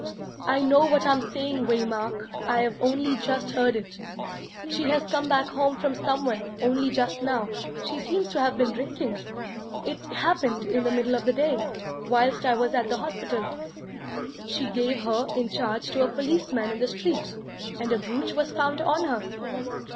"I know what I'm saying, Waymark I've only just heard it. She has come back home from somewhere only just now she seems to have been drinking. It happened in the middle of the day, whilst I was at the hospital. She gave her in charge to a policeman in the street, and a brooch was found on her."